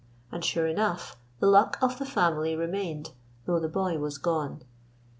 And, sure enough, the luck of the family remained, though the boy was gone.